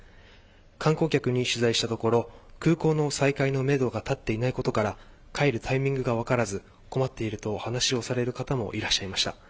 観光客に取材したところ空港の再開のめどが立っていないことから帰るタイミングが分からず困っていると話をされる方もいました。